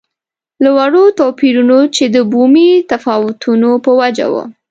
له وړو توپیرونو چې د بومي تفاوتونو په وجه وو.